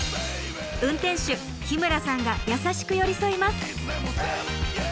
運転手日村さんが優しく寄り添います。